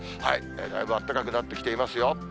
だいぶあったかくなってきていますよ。